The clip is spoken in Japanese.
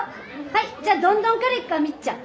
はいじゃあ「どんどん」からいくかみっちゃん。